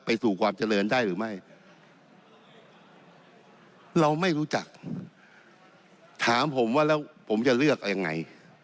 สู่ความเจริญได้หรือไม่เราไม่รู้จักถามผมว่าแล้วผมจะเลือกยังไง